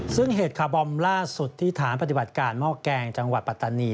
ซึ่งเหตุคาร์บอมล่าสุดที่ฐานปฏิบัติการหม้อแกงจังหวัดปัตตานี